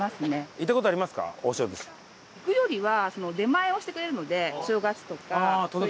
行くよりは。